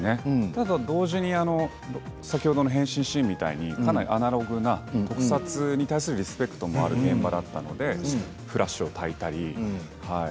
ただ同時に先ほどの撮影シーンみたいにアナログで撮影に対するリスペクトもある現場だったのでフラッシュをたいたり。